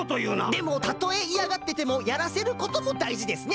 でもたとえいやがっててもやらせることもだいじですね。